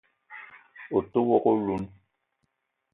O te wok oloun